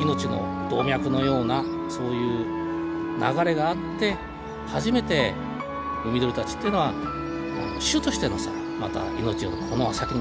命の動脈のようなそういう流れがあって初めて海鳥たちっていうのは種としてのさまた命をこの先もつないでいけるってことなんでね。